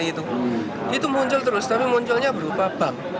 itu muncul terus tapi munculnya berupa bank